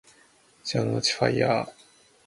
城之内ファイアー